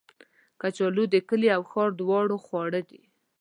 کچالو د کلي او ښار دواړو خواړه دي